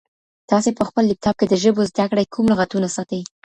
تاسي په خپل لیپټاپ کي د ژبو د زده کړې کوم لغتونه ساتئ؟